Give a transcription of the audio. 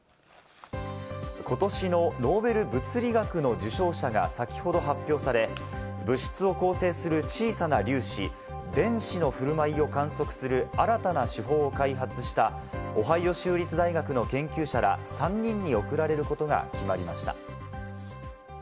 ことしのノーベル物理学の受賞者が先ほど発表され、物質を構成する小さな粒子、電子の振る舞いを観測する新たな手法を開発したオハイオ州立大学の研究者ら３人に贈られることが決まりました。